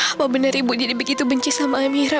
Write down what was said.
apa benar ibu jadi begitu benci sama amira